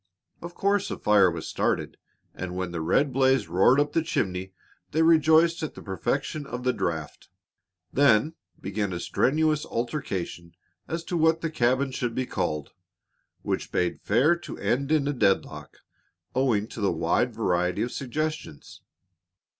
Of course a fire was started, and when the red blaze roared up the chimney they rejoiced at the perfection of the draught. Then began a strenuous altercation as to what the cabin should be called which bade fair to end in a deadlock, owing to the wide variety of suggestions.